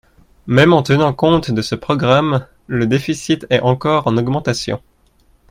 Même en tenant compte de ce programme, le déficit est encore en augmentation.